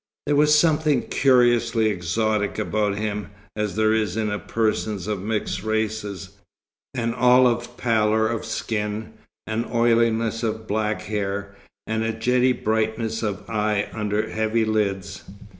There was something curiously exotic about him, as there is in persons of mixed races; an olive pallor of skin, an oiliness of black hair, and a jetty brightness of eye under heavy lids.